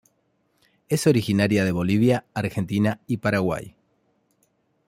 Es originaria de Bolivia, Argentina y Paraguay.